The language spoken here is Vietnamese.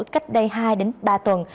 cách đây hai ba tuần